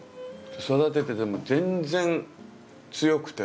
育てていても全然強くて。